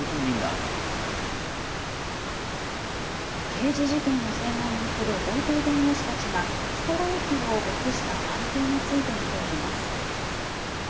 刑事事件を専門にする法廷弁護士たちがストライキを起こした背景について見ていきます。